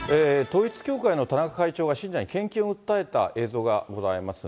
統一教会の田中会長が、信者に献金を訴えた映像がございます。